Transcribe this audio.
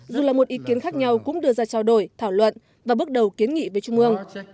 dù là một ý kiến khác nhau cũng đưa ra trao đổi thảo luận và bước đầu kiến nghị với trung ương